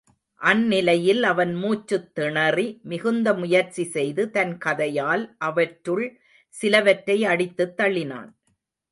அந்நிலையில் அவன் மூச்சுத் திணறி, மிகுந்த முயற்சி செய்து தன் கதையால் அவற்றுள் சிலவற்றை அடித்துத் தள்ளினான்.